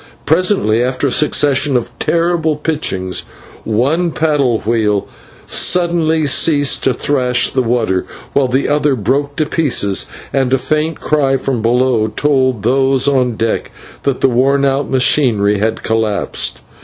Presently, after a succession of terrible pitchings, one paddle wheel suddenly ceased to thrash the water, while the other broke to pieces, and a faint cry from below told those on deck that the worn out machinery had collapsed.